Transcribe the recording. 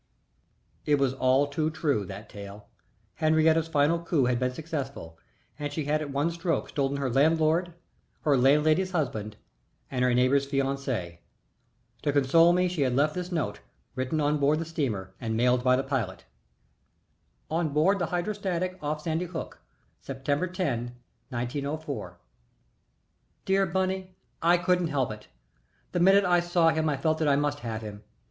It was all too true, that tale. Henriette's final coup had been successful, and she had at one stroke stolen her landlord, her landlady's husband, and her neighbor's fiancé. To console me she left this note, written on board of the steamer and mailed by the pilot. ON BOARD THE HYDROSTATIC. OFF SANDY HOOK, September 10, 1904. DEAR BUNNY, I couldn't help it. The minute I saw him I felt that I must have him.